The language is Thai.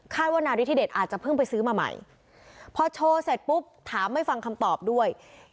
ว่านาริธิเดชอาจจะเพิ่งไปซื้อมาใหม่พอโชว์เสร็จปุ๊บถามไม่ฟังคำตอบด้วย